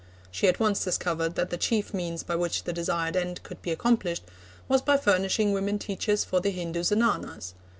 She at once discovered that the chief means by which the desired end could be accomplished was by furnishing women teachers for the Hindu Zenanas.